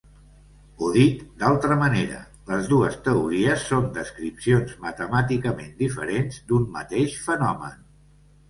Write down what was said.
O dit d’altra manera, les dues teories són descripcions matemàticament diferents d’un mateix fenomen.